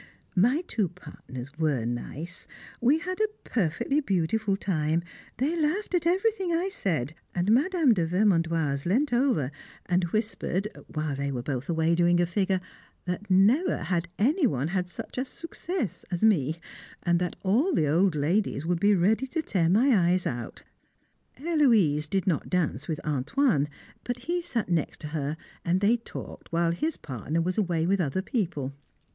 My two partners were nice, we had a perfectly beautiful time, they laughed at everything I said; and Madame de Vermandoise leant over and whispered while they were both away doing a figure that never had any one had such a succès as me, and that all the old ladies would be ready to tear my eyes out. Héloise did not dance with "Antoine," but he sat next her, and they talked while his partner was away with other people.